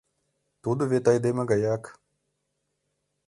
Тудо вет айдеме гаяк.